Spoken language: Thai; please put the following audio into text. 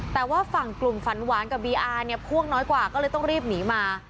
แต่ว่าฝั่งกลุ่มฝันหวานกับบีอาร์เนี่ยพ่วงน้อยกว่าก็เลยต้องรีบหนีมา